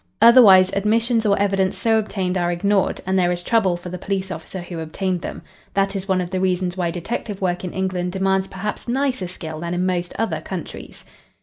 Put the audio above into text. Otherwise admissions or evidence so obtained are ignored, and there is trouble for the police officer who obtained them. That is one of the reasons why detective work in England demands perhaps nicer skill than in most other countries.